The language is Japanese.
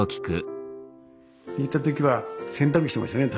行った時は洗濯してましたね。